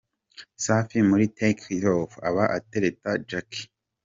Safi muri take it off aba atereta Jackie.